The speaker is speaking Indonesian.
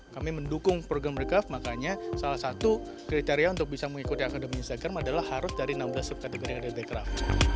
kami mendukung program bekraf makanya salah satu kriteria untuk bisa mengikuti akademi instagram adalah harus dari enam belas subkategori ada bekraf